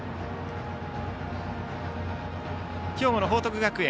兵庫の報徳学園